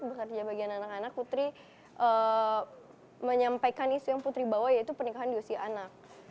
bekerja bagian anak anak putri menyampaikan isu yang putri bawa yaitu pernikahan di usia anak